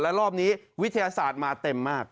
แล้วรอบนี้วิทยาศาสตร์มาเต็มมาก